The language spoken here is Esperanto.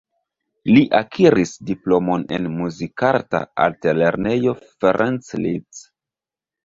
Li akiris diplomon en Muzikarta Altlernejo Ferenc Liszt.